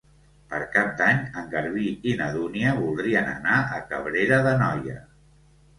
Per Cap d'Any en Garbí i na Dúnia voldrien anar a Cabrera d'Anoia.